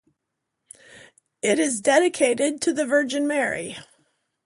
It is dedicated to the Virgin Mary.